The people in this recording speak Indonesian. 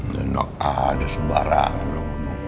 nenok ada sembarangan lu